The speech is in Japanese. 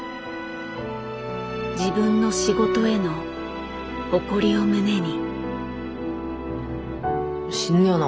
自分の仕事への誇りを胸に。